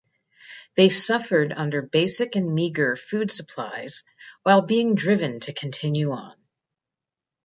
They suffered under basic and meagre food supplies while being driven to continue on.